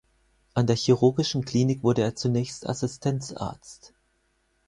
An der Chirurgischen Klinik wurde er zunächst Assistenzarzt.